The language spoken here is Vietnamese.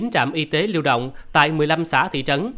một mươi chín trạm y tế lưu động tại một mươi năm xã thị trấn